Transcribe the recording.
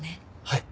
はい。